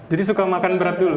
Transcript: jadi suka makan berat dulu